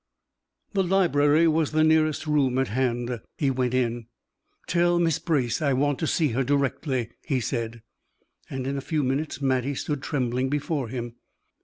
The library was the nearest room at hand. He went in. "Tell Miss Brace I want to see her directly," he said. And in a few minutes Mattie stood trembling before him.